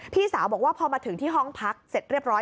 พี่สาวบอกว่าพอมาถึงที่ห้องพักเสร็จเรียบร้อย